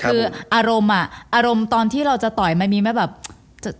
คืออารมณ์ตอนที่เราเตรียมประการต่อมา